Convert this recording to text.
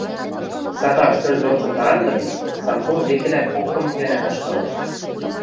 Сакар, стӧл дорцын карангын, Санков векӹлӓ кок-кым гӓнӓ ташкалеш.